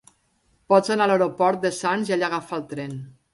Pots anar a l'aeroport de Sants i allà agafar el tren.